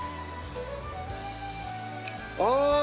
ああ！